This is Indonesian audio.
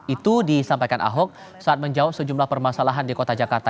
itu disampaikan ahok saat menjawab sejumlah permasalahan di kota jakarta